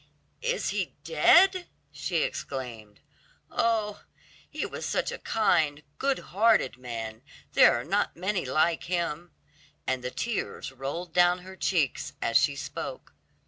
"Is he dead?" she exclaimed. "Oh, he was such a kind, good hearted man, there are not many like him," and the tears rolled down her cheeks as she spoke.